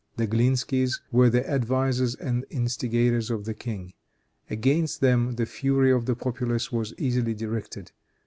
The Glinskys were the advisers and instigators of the king. Against them the fury of the populace was easily directed.